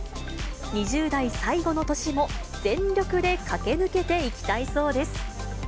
２０代最後の年も全力で駆け抜けていきたいそうです。